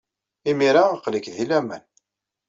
Imir-a, aql-ik deg laman.